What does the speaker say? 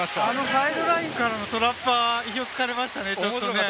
サイドラインからのトラップは意表を突かれましたね。